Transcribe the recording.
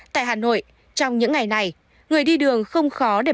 tại hà nội trong những ngày này người đi đường không khó để